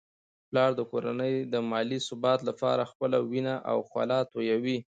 پلار د کورنی د مالي ثبات لپاره خپله وینه او خوله تویوي.